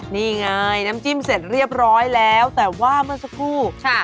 นี่ไงน้ำจิ้มเสร็จเรียบร้อยแล้วแต่ว่าเมื่อสักครู่ค่ะ